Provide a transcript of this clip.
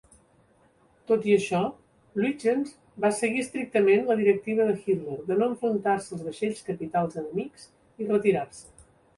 Tot i això, Lütjens va seguir estrictament la directiva de Hitler de no enfrontar-se als vaixells capitals enemics i retirar-se.